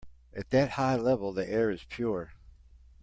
At that high level the air is pure.